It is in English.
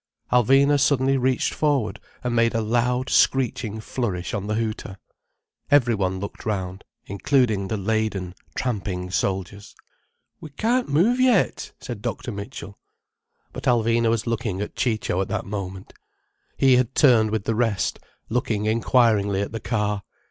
Alvina suddenly reached forward and made a loud, screeching flourish on the hooter. Every one looked round, including the laden, tramping soldiers. "We can't move yet," said Dr. Mitchell. But Alvina was looking at Ciccio at that moment. He had turned with the rest, looking inquiringly at the car.